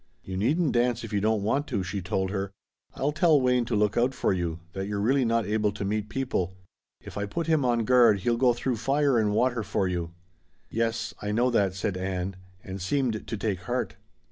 "You needn't dance if you don't want to," she told her. "I'll tell Wayne to look out for you, that you're really not able to meet people. If I put him on guard he'll go through fire and water for you." "Yes I know that," said Ann, and seemed to take heart.